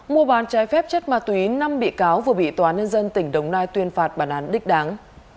mua bán trái phép chất ma túy năm bị cáo vừa bị tòa nhân dân tỉnh đồng nai tuyên phạt bản án đích đáng